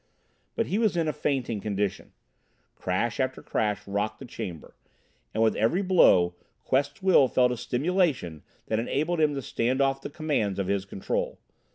But he was in a fainting condition. Crash after crash rocked the chamber, and with every blow Quest's will felt a stimulation that enabled him to stand off the commands of his Control.